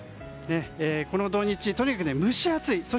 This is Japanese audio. この土日、とにかく蒸し暑い。